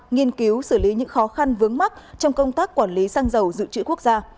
nghiên cứu xử lý những khó khăn vướng mắt trong công tác quản lý xăng dầu dự trữ quốc gia